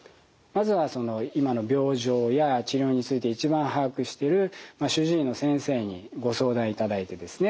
まずは今の病状や治療について一番把握している主治医の先生にご相談いただいてですね